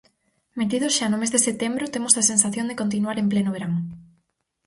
Metidos xa no mes de setembro, temos a sensación de continuar en pleno verán.